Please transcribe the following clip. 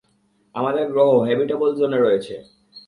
আমাদের গ্রহ হ্যাবিটেবল জোনে রয়েছে।